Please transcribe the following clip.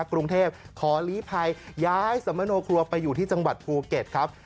กรุงเทพขอลีภัยย้ายสมโนครัวไปอยู่ที่จังหวัดภูเก็ตครับ